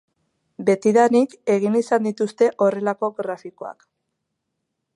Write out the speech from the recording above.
Betidanik egin izan dituzte horrelako grafikoak.